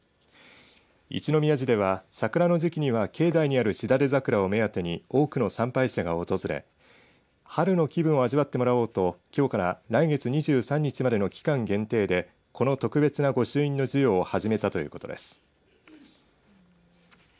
一宮寺では、桜の時期には境内にあるしだれ桜を目当てに多くの参拝者が訪れ春の気分を味わってもらおうときょうから来月２３日までの期間限定でこの特別な御朱印の授与を始めたということです。